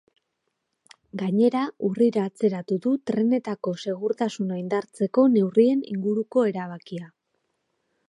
Gainera, urrira atzeratu du trenetako segurtasuna indartzeko neurrien inguruko erabakia.